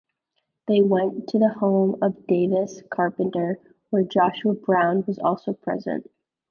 They went to the home of Davis Carpenter, where Joshua Brown was also present.